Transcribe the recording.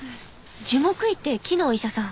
樹木医って木のお医者さん。